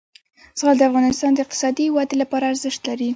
زغال د افغانستان د اقتصادي ودې لپاره ارزښت لري.